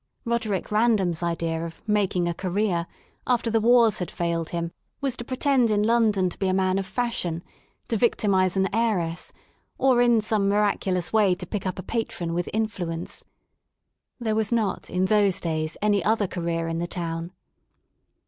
Roderick Random's idea of making a career " after the Wars had failed him, was to pretend in London to be a man of fashion, to victimise an heiress, or in some miraculous way to pick up a patron " with influence There was not in those days any other career in the Town.